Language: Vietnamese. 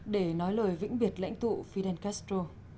để nói lời vĩnh biệt lãnh tụ fidel castro